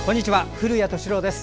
古谷敏郎です。